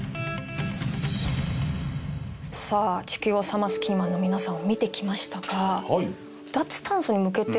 さあ地球を冷ますキーマンの皆さんを見てきましたが。